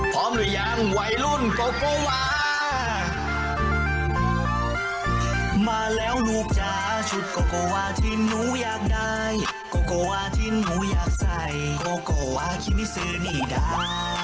โคโกว่าที่หนูอยากได้โคโกว่าที่หนูอยากใส่โคโกว่าฮิมิสุนีดา